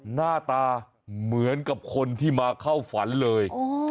หน้าตาเหมือนกับคนที่มาเข้าฝันเลย